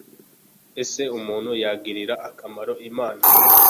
ese umuntu yagirira akamaro imana